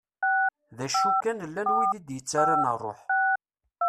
D acu kan llan wid i d-yettaran rruḥ.